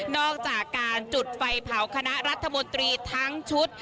อกจากการจุดไฟเผาคณะรัฐมนตรีทั้งชุด